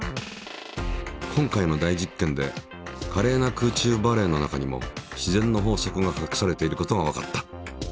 今回の大実験でかれいな空中バレエの中にも自然の法則がかくされていることがわかった。